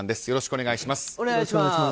よろしくお願いします。